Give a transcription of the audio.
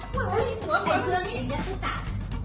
เห้ยหัวเพื่อนเห็นยักษ์ศึกษา